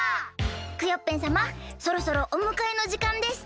クヨッペンさまそろそろおむかえのじかんです。